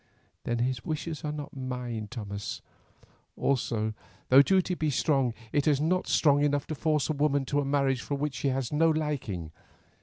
"Then his wishes are not mine, Thomas. Also, though duty be strong, it is not strong enough to force a woman to a marriage for which she has no liking.